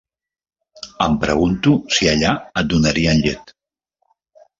Em pregunto si allà et donarien llet.